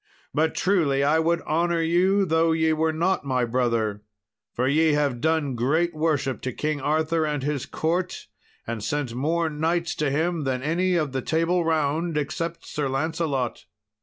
But truly I would honour you though ye were not my brother, for ye have done great worship to King Arthur and his court, and sent more knights to him than any of the Table Round, except Sir Lancelot."